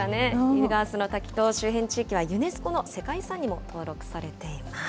イグアスの滝と周辺地域はユネスコの世界遺産にも登録されています。